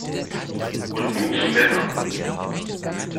Und nun zum Wetter.